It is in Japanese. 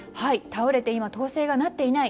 倒れて今統制がなっていない。